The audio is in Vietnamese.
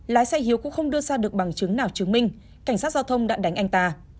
lái xe hiếu cũng không đưa ra được bằng chứng nào chứng minh cảnh sát giao thông đã đánh anh ta